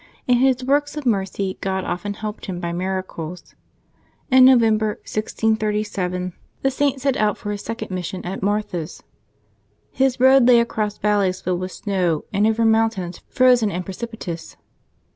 In his works of mercy God often helped him by miracles. In November, 1637, the Saint set out for his second mission at Marthes. His road lay across valleys filled with snow and over mountains frozen and precipitous.